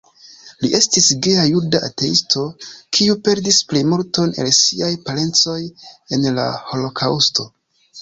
Li estis geja juda ateisto, kiu perdis plejmulton el siaj parencoj en la Holokaŭsto.